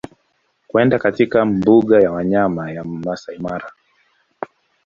kwenda katika mbuga ya wanyama ya Masaimara